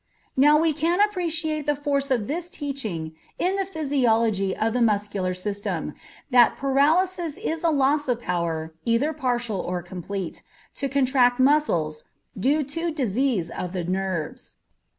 Now we can appreciate the force of this teaching in the physiology of the muscular system, that "paralysis is a loss of power, either partial or complete, to contract muscles, due to disease of the nerves."